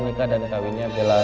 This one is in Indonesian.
hei bentengnya aja rai